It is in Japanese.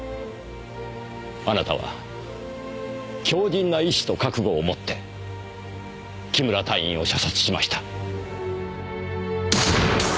あなたは強靭な意志と覚悟を持って木村隊員を射殺しました。